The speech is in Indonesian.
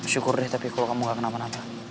syukur deh kalau kamu gak kenapa napa